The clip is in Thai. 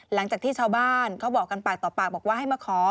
หลังจากที่ชาวบ้านเขาบอกกันปากต่อปากบอกว่าให้มาขอ